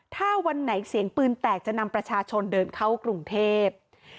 ถ้าวันไหนเสียงปืนแตกจะนำประชาชนเดินเข้ากรุงเทพ